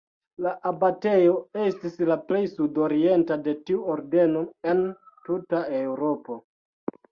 La abatejo estis la plej sudorienta de tiu ordeno en tuta Eŭropo.